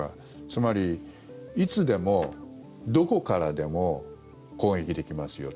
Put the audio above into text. つまり、いつでもどこからでも攻撃できますよ。